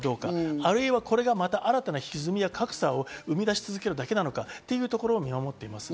あるいはこれが、また新たなひずみや格差を生み出し続けるだけなのかというところを見守っています。